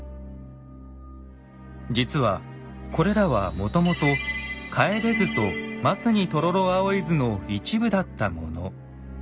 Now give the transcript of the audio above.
実はこれらはもともと「楓図」と「松に黄蜀葵図」の一部だったもの。